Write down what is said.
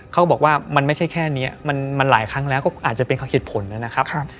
เขาบอกว่ามันไม่ใช่แค่นี้มันหลายครั้งแล้วก็อาจจะเป็นเหตุผลนะครับ